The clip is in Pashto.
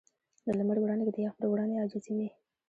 د لمر وړانګې د یخ پر وړاندې عاجزې وې.